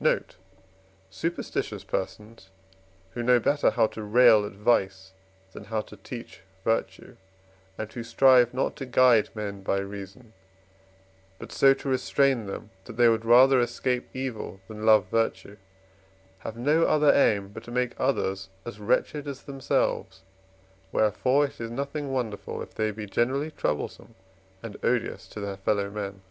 Note. Superstitions persons, who know better how to rail at vice than how to teach virtue, and who strive not to guide men by reason, but so to restrain them that they would rather escape evil than love virtue, have no other aim but to make others as wretched as themselves; wherefore it is nothing wonderful, if they be generally troublesome and odious to their fellow men.